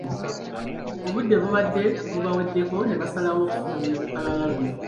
Obudde bubadde bubaweddeko ne basalawo okufulumya olukalala luno.